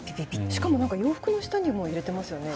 しかも洋服の下にも入れてますよね。